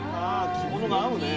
着物が合うね。